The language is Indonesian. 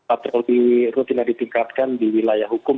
atau rutin yang ditingkatkan di wilayah hukum